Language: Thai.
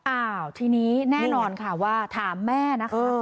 อ้าวทีนี้แน่นอนค่ะว่าถามแม่นะคะ